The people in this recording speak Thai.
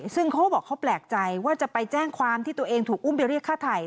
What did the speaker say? ซึ่งเขาก็บอกเขาแปลกใจว่าจะไปแจ้งความที่ตัวเองถูกอุ้มไปเรียกฆ่าไทย